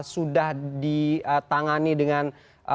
sudah ditangani dengan